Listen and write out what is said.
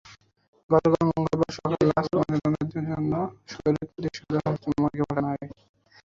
গতকাল মঙ্গলবার সকালে লাশ ময়নাতদন্তের জন্য শরীয়তপুর সদর হাসপাতাল মর্গে পাঠানো হয়।